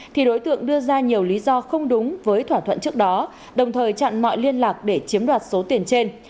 thì đối tượng đưa ra nhiều lý do không đúng với thỏa thuận trước đó đồng thời chặn mọi liên lạc để chiếm đoạt số tiền trên